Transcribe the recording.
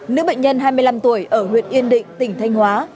nữ bệnh nhân hai mươi năm tuổi ở huyện yên định tỉnh thanh hóa